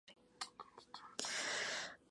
Incluía mejoras y nuevas características.